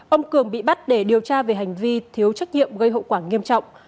ông cường bị bắt để điều tra về hành vi thiếu trách nhiệm gây hậu quả nghiêm trọng